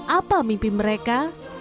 apa mimpi mereka